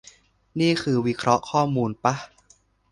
นี่คือวิเคราะห์ข้อมูลปะ